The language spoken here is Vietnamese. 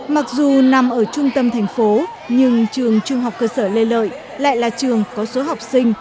mặc dù nằm ở trung tâm thành phố nhưng trường trung học cơ sở lê lợi lại là trường có số học sinh